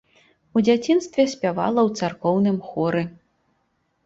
У дзяцінстве спявала ў царкоўным хоры.